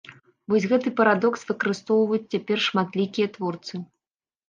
Вось гэты парадокс выкарыстоўваюць цяпер шматлікія творцы.